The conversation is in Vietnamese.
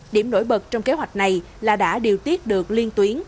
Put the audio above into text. điểm nổi bật trong kế hoạch này là đã điều tiết được liên tuyến